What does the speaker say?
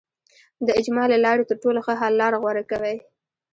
د اجماع له لارې تر ټولو ښه حل لاره غوره کوي.